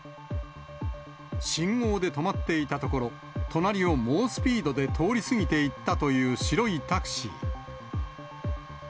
信号で止まっていたところ、隣を猛スピードで通り過ぎていったという白いタクシー。